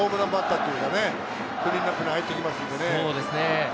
あとはホームランバッターというかね、クリーンナップに入っていきますからね。